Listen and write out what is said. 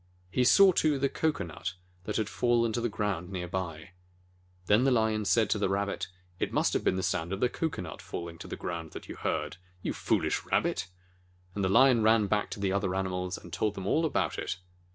He saw, too, the cocoanut that had fallen to the ground near by. Then the Lion said to the Rabbit, "It must have been the sound of the cocoanut falling to the ground that you heard. You foolish Rabbit !" And the Lion ran back to the other animals, and told them all about it.